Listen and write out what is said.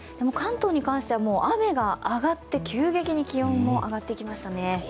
関東では雨が上がって急に気温も上がってきましたね。